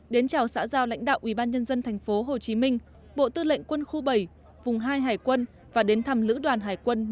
đến chào xã giao lãnh đạo ubnd tp hcm bộ tư lệnh quân khu bảy vùng hai hải quân và đến thăm lữ đoàn hải quân một trăm bảy mươi một